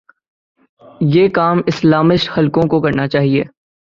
یہ کام اسلامسٹ حلقوں کوکرنا چاہیے۔